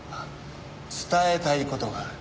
伝えたい事がある。